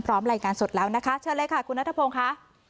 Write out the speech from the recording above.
รายงานสดแล้วนะคะเชิญเลยค่ะคุณนัทพงศ์ค่ะ